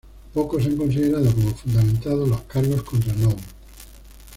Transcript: Pocos han considerado como fundamentados los cargos contra Nour.